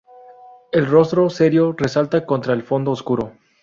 El rostro serio resalta contra el fondo oscuro.